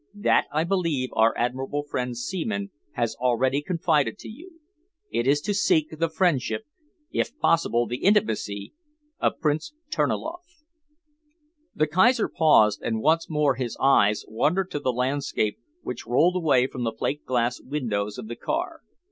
That, I believe, our admirable friend Seaman has already confided to you. It is to seek the friendship, if possible the intimacy, of Prince Terniloff." The Kaiser paused, and once more his eyes wandered to the landscape which rolled away from the plate glass windows of the car.